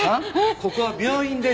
ここは病院です。